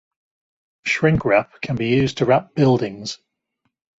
Shrink wrap can be used to wrap buildings.